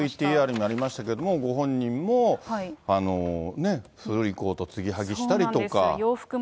ＶＴＲにもありましたけれども、ご本人も古いコートつぎはぎしたりとか。